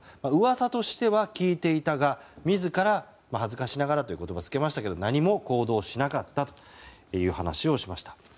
噂としては聞いていたが自ら恥ずかしながらという言葉を付けましたが何も行動をしなかったという話をしました。